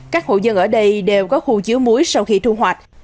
các hộ dân ở đây đều có khu chứa muối sau khi thu hoạch